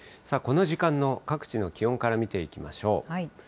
この時間の各地の気温から見ていきましょう。